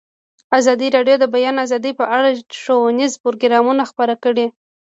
ازادي راډیو د د بیان آزادي په اړه ښوونیز پروګرامونه خپاره کړي.